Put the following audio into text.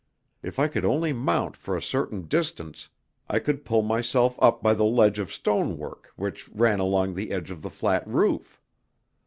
If I could only mount for a certain distance I could pull myself up by the ledge of stonework which ran along the edge of the flat roof.